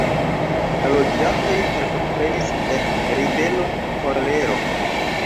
La loĝantoj partoprenis en ribelo ĥolero.